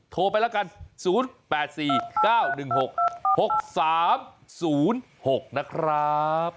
โทรไปแล้วกัน๐๘๔๙๑๖๖๓๐๖นะครับ